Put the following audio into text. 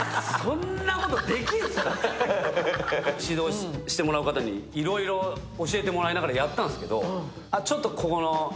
指導してもらう方にいろいろ教えてもらいながらやったんですけど。